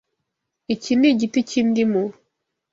Iki ni igiti cy'indimu. (